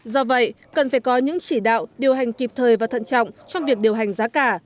do vậy cần phải có những chỉ đạo điều hành kịp thời và thận trọng trong việc điều hành giá cả